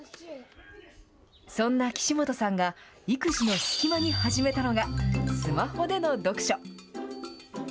そんな岸本さんが、育児の隙間に始めたのが、スマホでの読書。